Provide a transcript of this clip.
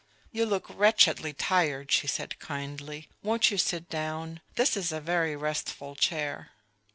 "You look wretchedly tired," she said kindly. "Won't you sit down? this is a very restful chair.